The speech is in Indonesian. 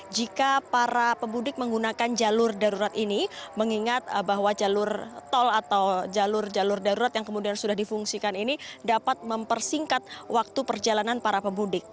jika para pemudik menggunakan jalur darurat ini mengingat bahwa jalur tol atau jalur jalur darurat yang kemudian sudah difungsikan ini dapat mempersingkat waktu perjalanan para pemudik